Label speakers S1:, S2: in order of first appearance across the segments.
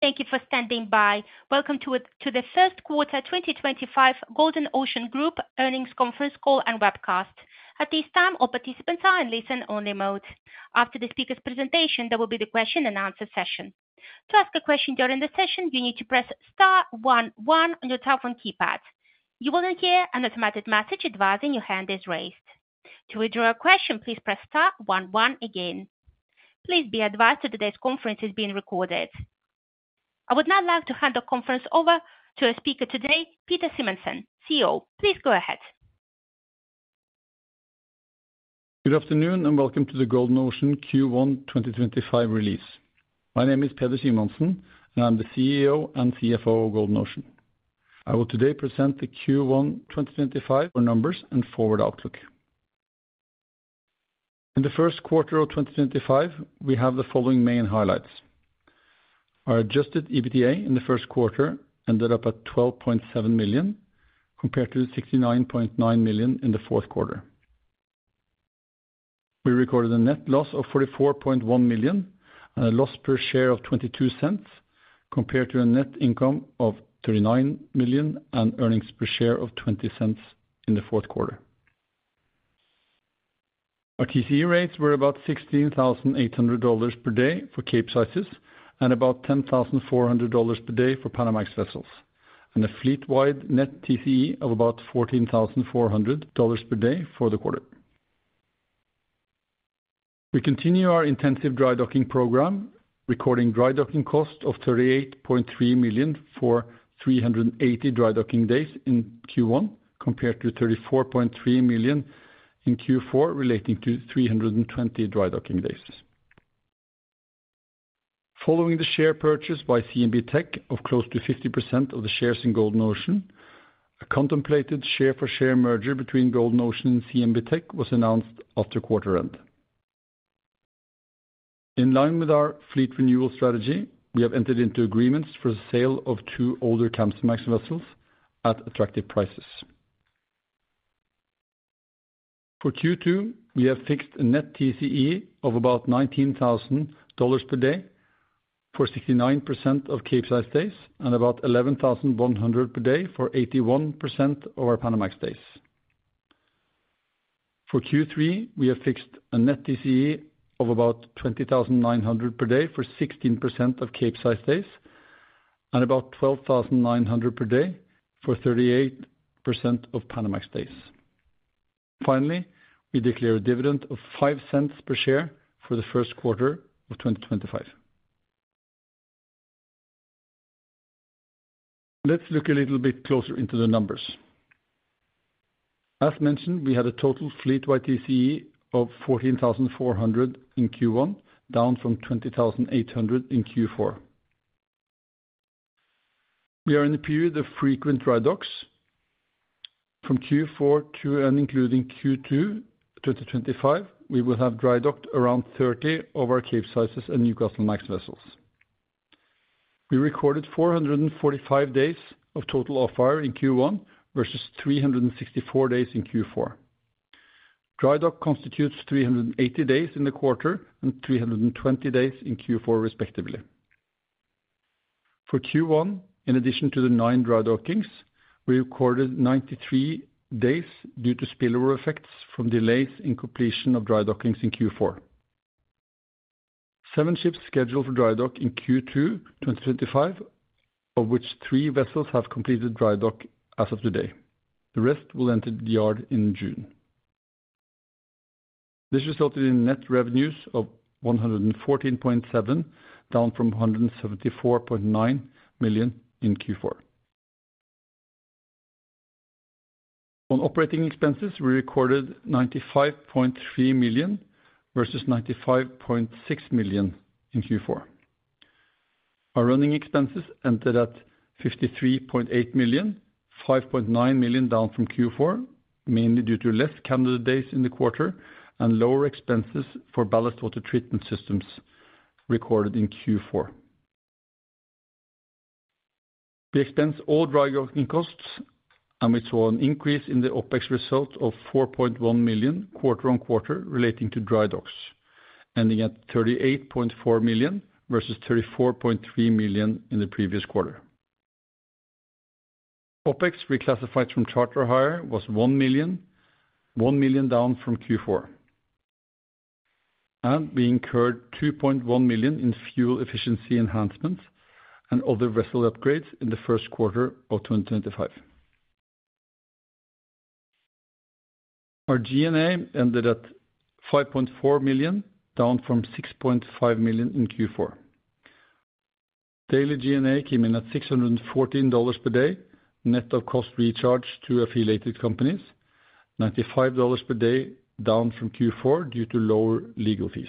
S1: Thank you for standing by. Welcome to the first quarter 2025 Golden Ocean Group earnings conference call and webcast. At this time, all participants are in listen-only mode. After the speaker's presentation, there will be the question-and-answer session. To ask a question during the session, you need to press star one one on your telephone keypad. You will then hear an automated message advising your hand is raised. To withdraw a question, please press star one one again. Please be advised that today's conference is being recorded. I would now like to hand the conference over to our speaker today, Peder Simonsen, CEO. Please go ahead.
S2: Good afternoon and welcome to the Golden Ocean Q1 2025 release. My name is Peder Simonsen, and I'm the CEO and CFO of Golden Ocean. I will today present the Q1 2025 numbers and forward outlook. In the first quarter of 2025, we have the following main highlights: our adjusted EBITDA in the first quarter ended up at $12.7 million, compared to $69.9 million in the fourth quarter. We recorded a net loss of $44.1 million and a loss per share of $0.22, compared to a net income of $39 million and earnings per share of $0.20 in the fourth quarter. Our TCE rates were about $16,800 per day for Capesizes and about $10,400 per day for Panamax vessels, and a fleet-wide net TCE of about $14,400 per day for the quarter. We continue our intensive drydocking program, recording drydocking cost of $38.3 million for 380 drydocking days in Q1, compared to $34.3 million in Q4, relating to 320 drydocking days. Following the share purchase by CMB.TECH of close to 50% of the shares in Golden Ocean, a contemplated share-for-share merger between Golden Ocean and CMB.TECH was announced after quarter-end. In line with our fleet renewal strategy, we have entered into agreements for the sale of two older Kamsarmax vessels at attractive prices. For Q2, we have fixed a net TCE of about $19,000 per day for 69% of Capesize days and about $11,100 per day for 81% of our Panamax days. For Q3, we have fixed a net TCE of about $20,900 per day for 16% of Capesize days and about $12,900 per day for 38% of Panamax days. Finally, we declare a dividend of $0.05 per share for the first quarter of 2025. Let's look a little bit closer into the numbers. As mentioned, we had a total fleet-wide TCE of $14,400 in Q1, down from $20,800 in Q4. We are in a period of frequent drydocks. From Q4 to and including Q2 2025, we will have drydocked around 30 of our Capesize and Newcastlemax vessels. We recorded 445 days of total off-hire in Q1 versus 364 days in Q4. Drydock constitutes 380 days in the quarter and 320 days in Q4, respectively. For Q1, in addition to the nine drydockings, we recorded 93 days due to spillover effects from delays in completion of drydockings in Q4. Seven ships scheduled for drydock in Q2 2025, of which three vessels have completed drydock as of today. The rest will enter the yard in June. This resulted in net revenues of $114.7 million, down from $174.9 million in Q4. On operating expenses, we recorded $95.3 million versus $95.6 million in Q4. Our running expenses entered at $53.8 million, $5.9 million down from Q4, mainly due to less Capesize days in the quarter and lower expenses for ballast water treatment systems recorded in Q4. We expense all drydocking costs, and we saw an increase in the OpEx result of $4.1 million quarter on quarter relating to drydocks, ending at $38.4 million versus $34.3 million in the previous quarter. OpEx reclassified from charter hire was $1 million, $1 million down from Q4. We incurred $2.1 million in fuel efficiency enhancements and other vessel upgrades in the first quarter of 2025. Our G&A ended at $5.4 million, down from $6.5 million in Q4. Daily G&A came in at $614 per day, net of cost recharged to affiliated companies, $95 per day, down from Q4 due to lower legal fees.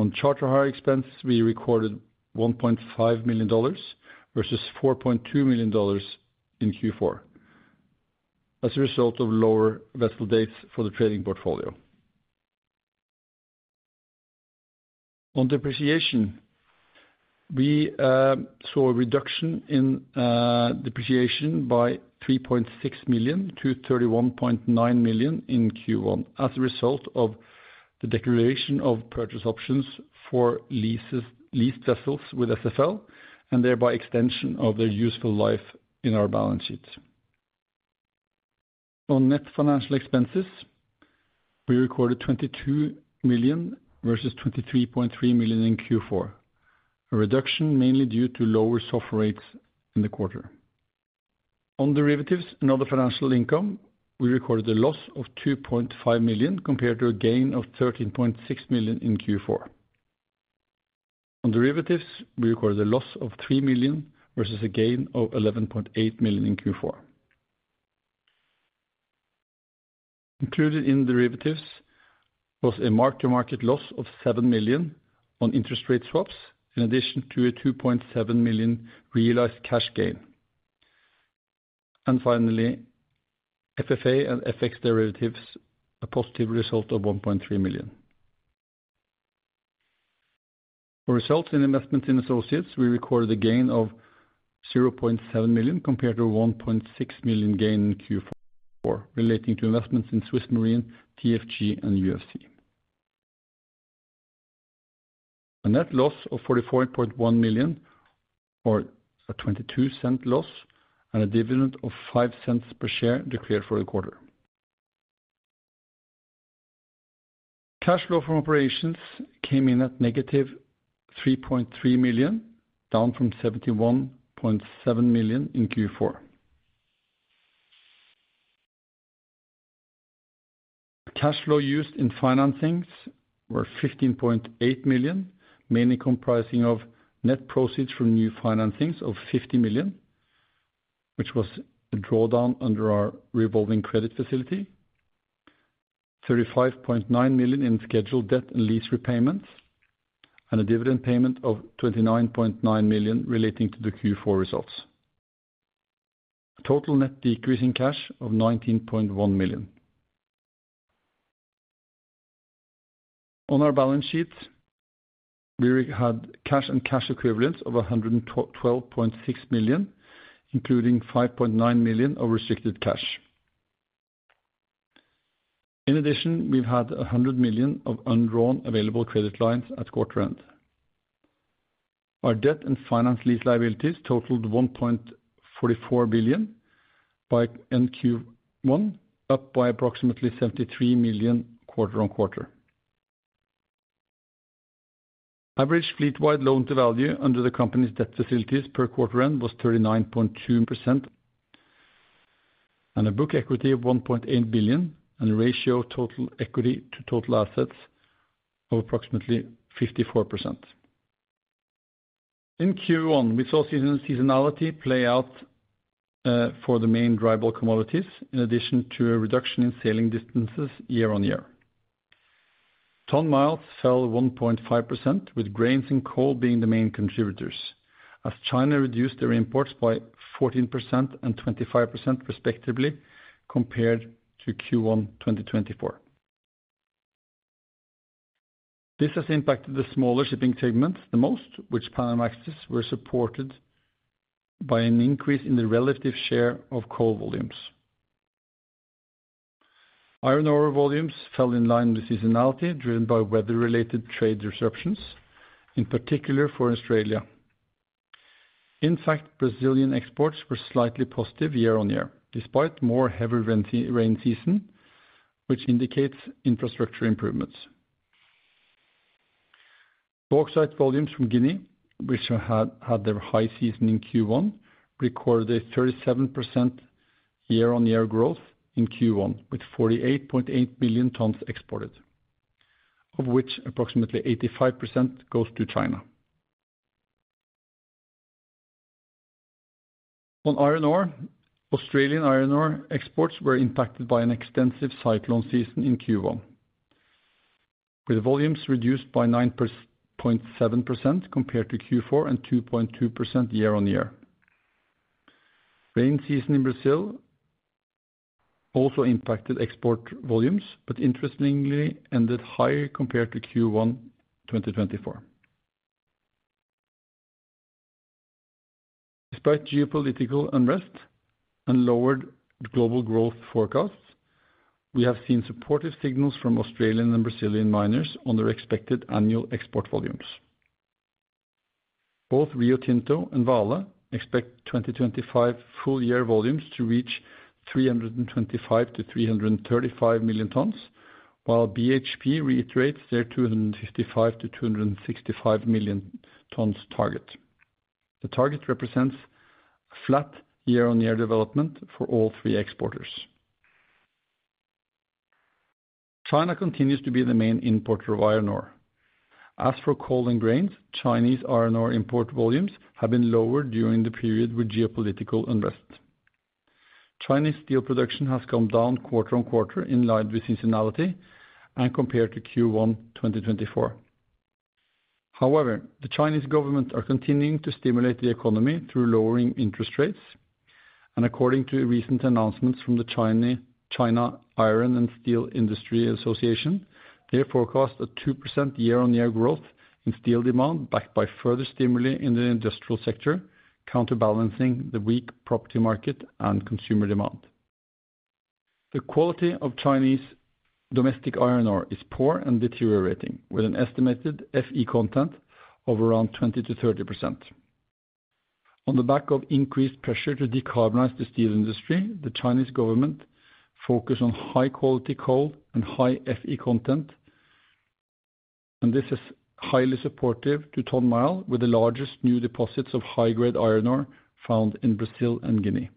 S2: On charter hire expenses, we recorded $1.5 million versus $4.2 million in Q4, as a result of lower vessel days for the trading portfolio. On depreciation, we saw a reduction in depreciation by $3.6 million-$31.9 million in Q1, as a result of the declaration of purchase options for leased vessels with SFL, and thereby extension of their useful life in our balance sheet. On net financial expenses, we recorded $22 million versus $23.3 million in Q4, a reduction mainly due to lower SOFR rates in the quarter. On derivatives and other financial income, we recorded a loss of $2.5 million compared to a gain of $13.6 million in Q4. On derivatives, we recorded a loss of $3 million versus a gain of $11.8 million in Q4. Included in derivatives was a mark-to-market loss of $7 million on interest rate swaps, in addition to a $2.7 million realized cash gain. FFA and FX derivatives, a positive result of $1.3 million. For results in investments in associates, we recorded a gain of $0.7 million compared to a $1.6 million gain in Q4, relating to investments in SwissMarine, TFG, and UFC. A net loss of $44.1 million, or a $0.22 loss, and a dividend of $0.05 per share declared for the quarter. Cash flow from operations came in at negative $3.3 million, down from $71.7 million in Q4. Cash flow used in financings were $15.8 million, mainly comprising of net proceeds from new financings of $50 million, which was a drawdown under our revolving credit facility, $35.9 million in scheduled debt and lease repayments, and a dividend payment of $29.9 million relating to the Q4 results. Total net decrease in cash of $19.1 million. On our balance sheet, we had cash and cash equivalents of $112.6 million, including $5.9 million of restricted cash. In addition, we've had $100 million of undrawn available credit lines at quarter-end. Our debt and finance lease liabilities totaled $1.44 billion by end Q1, up by approximately $73 million quarter on quarter. Average fleet-wide loan to value under the company's debt facilities per quarter-end was 39.2%, and a book equity of $1.8 billion, and a ratio of total equity to total assets of approximately 54%. In Q1, we saw seasonality play out for the main dry bulk commodities, in addition to a reduction in sailing distances year on year. Tonne-miles fell 1.5%, with grains and coal being the main contributors, as China reduced their imports by 14% and 25%, respectively, compared to Q1 2024. This has impacted the smaller shipping segments the most, while Panamaxes were supported by an increase in the relative share of coal volumes. Iron ore volumes fell in line with seasonality, driven by weather-related trade disruptions, in particular for Australia. In fact, Brazilian exports were slightly positive year on year, despite a more heavy rain season, which indicates infrastructure improvements. Bauxite volumes from Guinea, which had their high season in Q1, recorded a 37% year-on-year growth in Q1, with 48.8 million tonne exported, of which approximately 85% goes to China. On iron ore, Australian iron ore exports were impacted by an extensive cyclone season in Q1, with volumes reduced by 9.7% compared to Q4 and 2.2% year-on-year. Rain season in Brazil also impacted export volumes, but interestingly ended higher compared to Q1 2024. Despite geopolitical unrest and lowered global growth forecasts, we have seen supportive signals from Australian and Brazilian miners on their expected annual export volumes. Both Rio Tinto and Vale expect 2025 full-year volumes to reach 325 million tonne-335 million tonne, while BHP reiterates their 255 million tonne-265 million tonne target. The target represents a flat year-on-year development for all three exporters. China continues to be the main importer of iron ore. As for coal and grains, Chinese iron ore import volumes have been lowered during the period with geopolitical unrest. Chinese steel production has come down quarter on quarter in line with seasonality and compared to Q1 2024. However, the Chinese government is continuing to stimulate the economy through lowering interest rates, and according to recent announcements from the China Iron and Steel Industry Association, they forecast a 2% year-on-year growth in steel demand backed by further stimuli in the industrial sector, counterbalancing the weak property market and consumer demand. The quality of Chinese domestic iron ore is poor and deteriorating, with an estimated FE content of around 20%-30%. On the back of increased pressure to decarbonize the steel industry, the Chinese government focused on high-quality coal and high FE content, and this is highly supportive to tonne-mile, with the largest new deposits of high-grade iron ore found in Brazil and Guinea.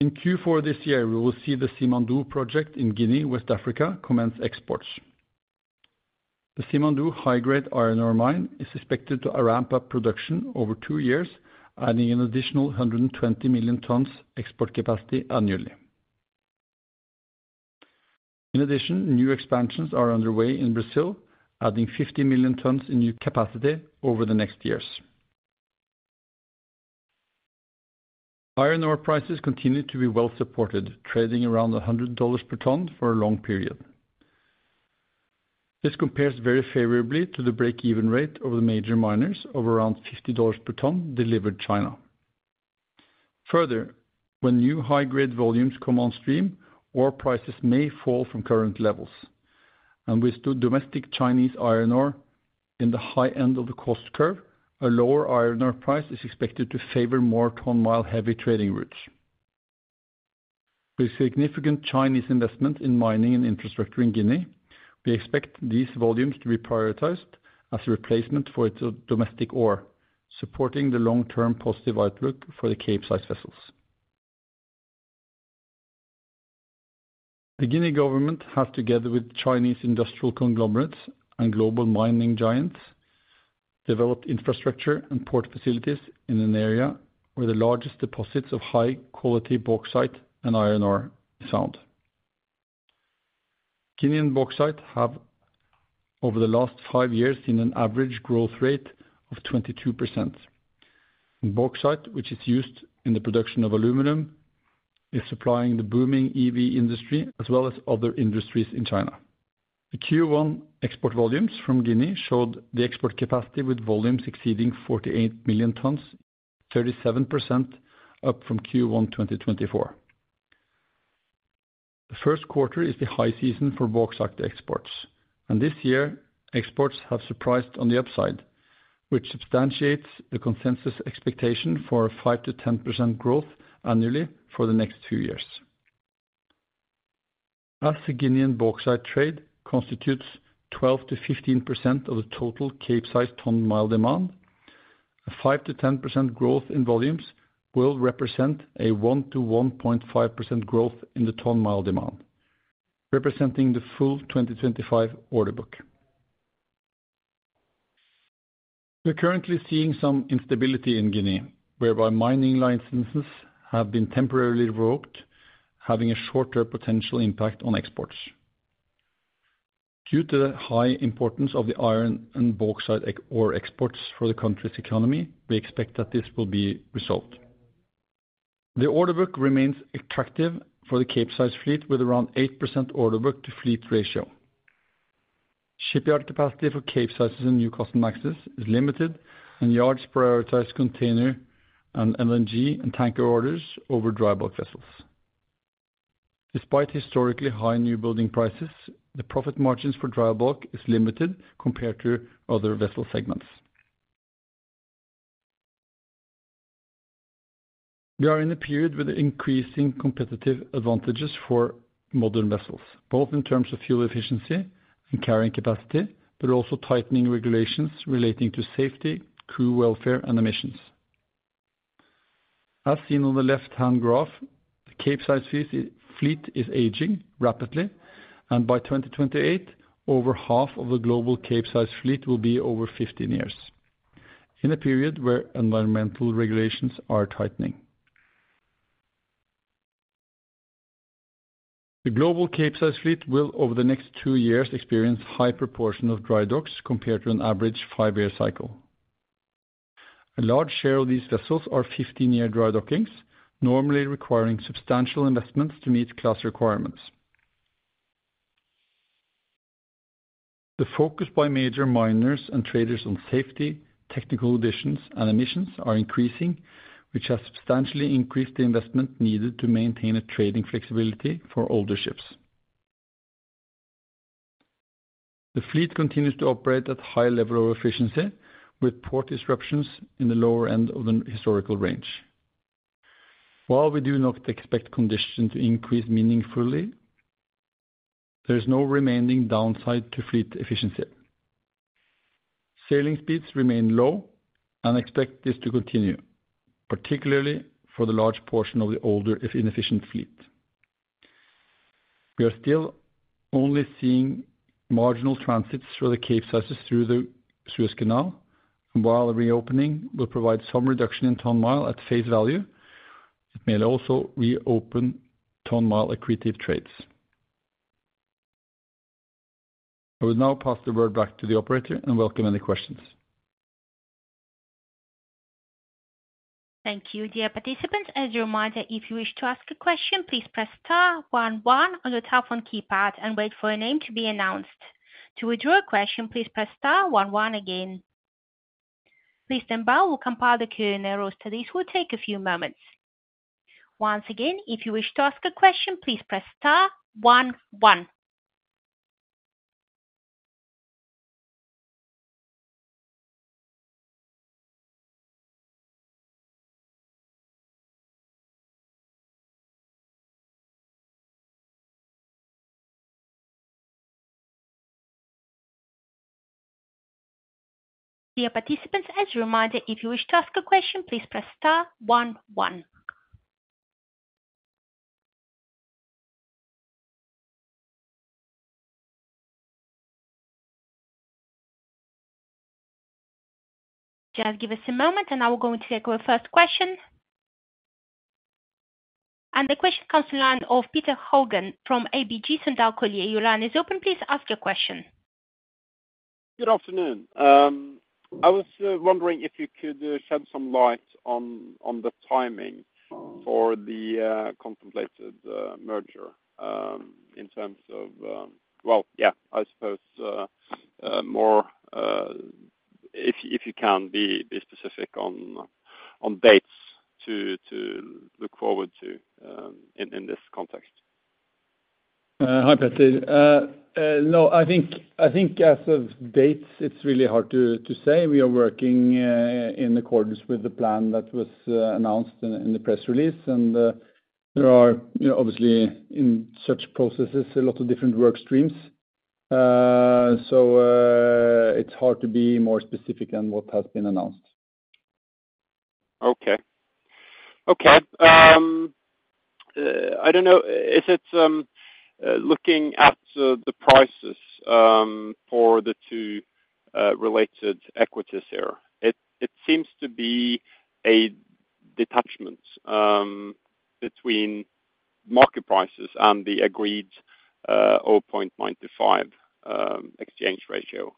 S2: In Q4 this year, we will see the Simandou project in Guinea, West Africa, commence exports. The Simandou high-grade iron ore mine is expected to ramp up production over two years, adding an additional 120 million tonne export capacity annually. In addition, new expansions are underway in Brazil, adding 50 million tonne in new capacity over the next years. Iron ore prices continue to be well supported, trading around $100 per tonne for a long period. This compares very favorably to the break-even rate of the major miners of around $50 per tonne delivered China. Further, when new high-grade volumes come on stream, ore prices may fall from current levels, and with domestic Chinese iron ore in the high end of the cost curve, a lower iron ore price is expected to favor more tonne-mile heavy trading routes. With significant Chinese investment in mining and infrastructure in Guinea, we expect these volumes to be prioritized as a replacement for its domestic ore, supporting the long-term positive outlook for the Capesize vessels. The Guinea government has, together with Chinese industrial conglomerates and global mining giants, developed infrastructure and port facilities in an area where the largest deposits of high-quality bauxite and iron ore are found. Guinean bauxite has, over the last five years, seen an average growth rate of 22%. Bauxite, which is used in the production of aluminum, is supplying the booming EV industry as well as other industries in China. The Q1 export volumes from Guinea showed the export capacity with volumes exceeding 48 million tonne, 37% up from Q1 2024. The first quarter is the high season for bauxite exports, and this year, exports have surprised on the upside, which substantiates the consensus expectation for a 5%-10% growth annually for the next two years. As the Guinean bauxite trade constitutes 12%-15% of the total Capesize tonne-mile demand, a 5%-10% growth in volumes will represent a 1-1.5% growth in the tonne-mile demand, representing the full 2025 order book. We're currently seeing some instability in Guinea, whereby mining licenses have been temporarily revoked, having a shorter potential impact on exports. Due to the high importance of the iron and bauxite ore exports for the country's economy, we expect that this will be resolved. The order book remains attractive for the Capesize fleet, with around 8% order book-to-fleet ratio. Shipyard capacity for Capesize and new Kamsarmaxes is limited, and yards prioritize container and LNG and tanker orders over dry bulk vessels. Despite historically high newbuilding prices, the profit margins for dry bulk are limited compared to other vessel segments. We are in a period with increasing competitive advantages for modern vessels, both in terms of fuel efficiency and carrying capacity, but also tightening regulations relating to safety, crew welfare, and emissions. As seen on the left-hand graph, the Capesize fleet is aging rapidly, and by 2028, over half of the global Capesize fleet will be over 15 years, in a period where environmental regulations are tightening. The global Capesize fleet will, over the next two years, experience a high proportion of drydockings compared to an average five-year cycle. A large share of these vessels are 15-year drydockings, normally requiring substantial investments to meet class requirements. The focus by major miners and traders on safety, technical additions, and emissions is increasing, which has substantially increased the investment needed to maintain trading flexibility for older ships. The fleet continues to operate at a high level of efficiency, with port disruptions in the lower end of the historical range. While we do not expect conditions to increase meaningfully, there is no remaining downside to fleet efficiency. Sailing speeds remain low, and I expect this to continue, particularly for the large portion of the older inefficient fleet. We are still only seeing marginal transits for the Capesize vessels through the Suez Canal, and while the reopening will provide some reduction in tonne-mile at face value, it may also reopen tonne-mile equity trades. I will now pass the word back to the operator and welcome any questions.
S1: Thank you, dear participants. As a reminder, if you wish to ask a question, please press star one one on the touchtone keypad and wait for your name to be announced. To withdraw a question, please press star one one again. Please standby, we'll compile the Q&A row, so this will take a few moments. Once again, if you wish to ask a question, please press star one one. Dear participants, as a reminder, if you wish to ask a question, please press star one one. Just give us a moment, and I will go into the first question. The question comes from Petter Haugen from ABG Sundal Collier. Your line is open. Please ask your question.
S3: Good afternoon. I was wondering if you could shed some light on the timing for the contemplated merger in terms of, well, yeah, I suppose more, if you can, be specific on dates to look forward to in this context.
S2: Hi, Petter. No, I think as of dates, it's really hard to say. We are working in accordance with the plan that was announced in the press release, and there are obviously, in such processes, a lot of different work streams. It's hard to be more specific than what has been announced.
S3: Okay. Okay. I don't know. Looking at the prices for the two related equities here, it seems to be a detachment between market prices and the agreed 0.95 exchange ratio.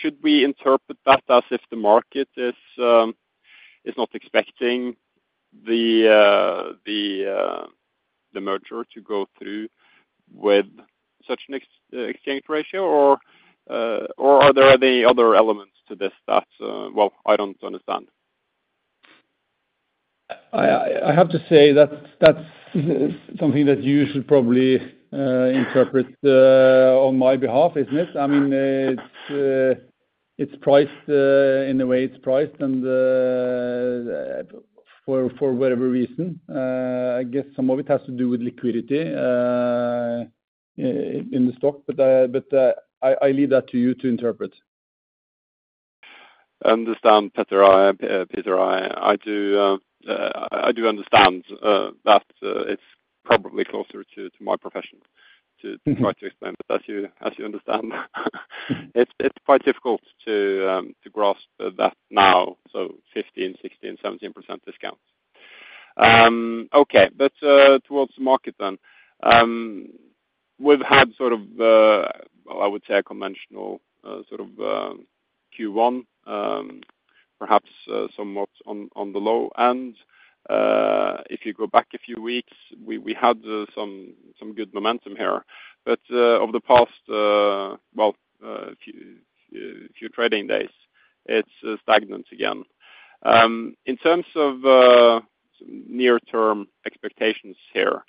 S3: Should we interpret that as if the market is not expecting the merger to go through with such an exchange ratio, or are there any other elements to this that, well, I don't understand?
S2: I have to say that's something that you should probably interpret on my behalf, isn't it? I mean, it's priced in the way it's priced and for whatever reason. I guess some of it has to do with liquidity in the stock, but I leave that to you to interpret.
S3: I understand, Peder. I do understand that it's probably closer to my profession to try to explain it as you understand. It's quite difficult to grasp that now, so 15%, 16%, 17% discount. Okay. Towards the market then, we've had sort of, I would say, a conventional sort of Q1, perhaps somewhat on the low end. If you go back a few weeks, we had some good momentum here. Over the past few trading days, it's stagnant again. In terms of near-term expectations here,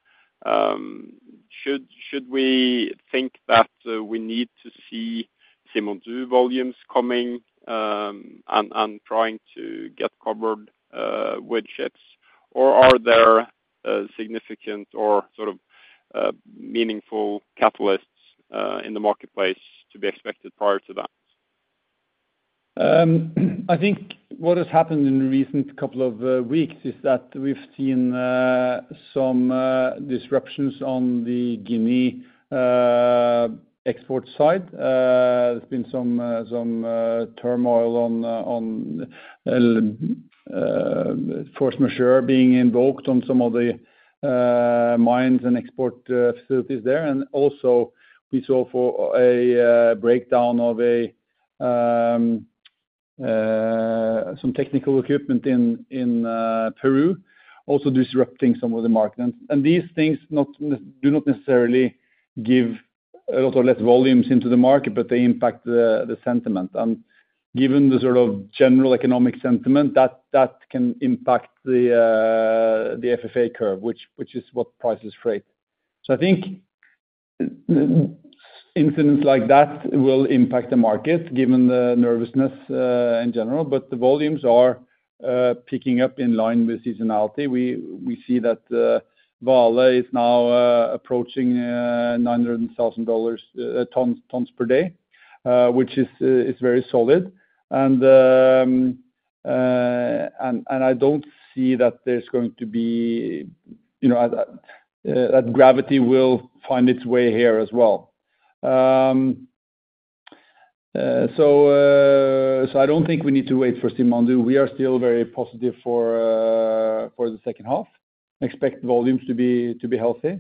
S3: should we think that we need to see Simandou volumes coming and trying to get covered with ships, or are there significant or sort of meaningful catalysts in the marketplace to be expected prior to that?
S2: I think what has happened in the recent couple of weeks is that we've seen some disruptions on the Guinea export side. There has been some turmoil on force majeure being invoked on some of the mines and export facilities there. Also, we saw a breakdown of some technical equipment in Peru also disrupting some of the market. These things do not necessarily give a lot of less volumes into the market, but they impact the sentiment. Given the sort of general economic sentiment, that can impact the FFA curve, which is what prices trade. I think incidents like that will impact the market given the nervousness in general. The volumes are picking up in line with seasonality. We see that Vale is now approaching 900,000 tonnes per day, which is very solid. I do not see that there is going to be that gravity will find its way here as well. I do not think we need to wait for Simandou. We are still very positive for the second half. I expect volumes to be healthy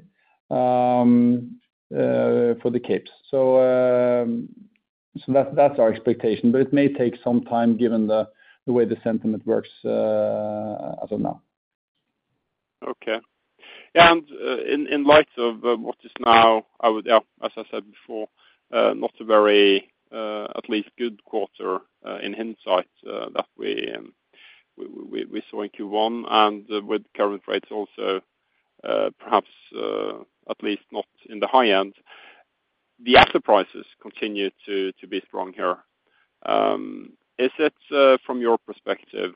S2: for the Capes. That is our expectation. It may take some time given the way the sentiment works as of now.
S3: Okay. In light of what is now, as I said before, not a very, at least, good quarter in hindsight that we saw in Q1 and with current rates also perhaps at least not in the high end, the asset prices continue to be strong here. From your perspective,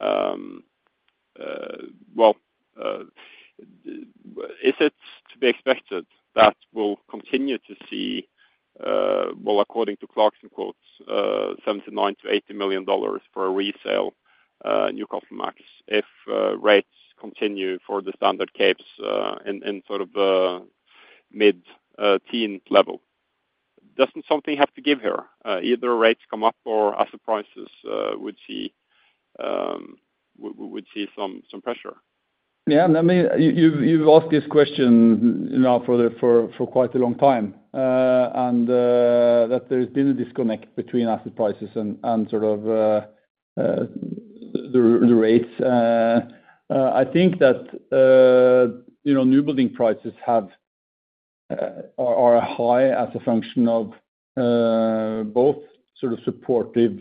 S3: is it to be expected that we will continue to see, according to Clarkson quotes, $79 million-$80 million for a resale new Capesizes if rates continue for the standard Capes in sort of the mid-teen level? Does not something have to give here? Either rates come up or asset prices would see some pressure.
S2: Yeah. I mean, you have asked this question now for quite a long time and there has been a disconnect between asset prices and sort of the rates. I think that new building prices are high as a function of both sort of supportive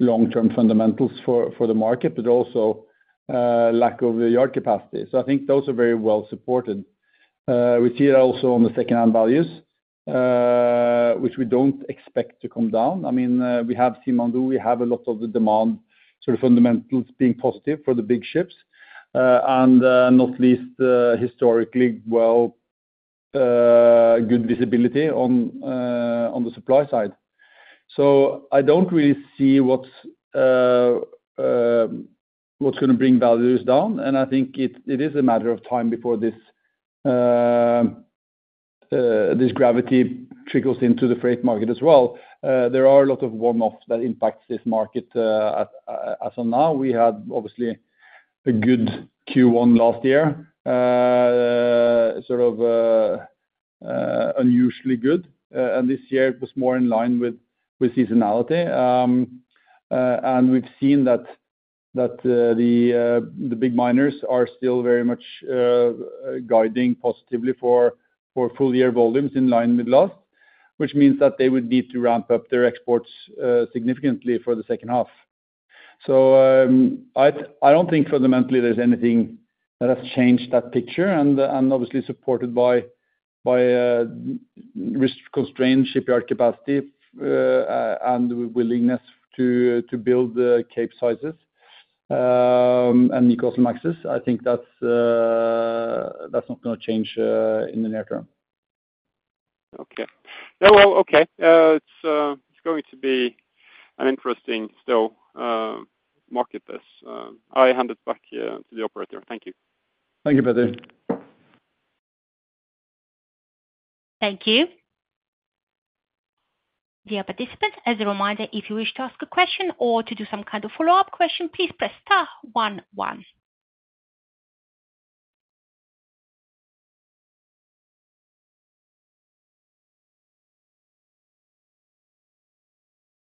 S2: long-term fundamentals for the market, but also lack of yard capacity. I think those are very well supported. We see that also on the second-hand values, which we do not expect to come down. I mean, we have Simandou. We have a lot of the demand sort of fundamentals being positive for the big ships. Not least, historically, good visibility on the supply side. I do not really see what is going to bring values down. I think it is a matter of time before this gravity trickles into the freight market as well. There are a lot of one-offs that impact this market as of now. We had obviously a good Q1 last year, sort of unusually good. This year, it was more in line with seasonality. We have seen that the big miners are still very much guiding positively for full-year volumes in line with last, which means that they would need to ramp up their exports significantly for the second half. I do not think fundamentally there is anything that has changed that picture and obviously supported by risk constraints, shipyard capacity, and willingness to build Capesizes and new Kamsarmaxes. I think that is not going to change in the near term.
S3: Okay. It is going to be an interesting market this. I hand it back to the operator. Thank you.
S2: Thank you, Petter. Thank you. Dear participants, as a reminder, if you wish to ask a question or to do some kind of follow-up question, please press star one one.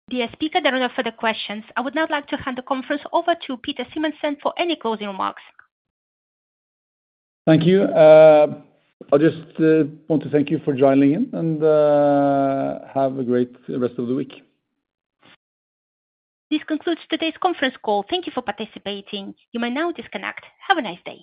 S2: Dear speaker, there are no further questions. I would now like to hand the conference over to Peder Simonsen for any closing remarks.
S1: Thank you. I just want to thank you for joining in and have a great rest of the week.
S2: This concludes today's conference call. Thank you for participating. You may now disconnect. Have a nice day.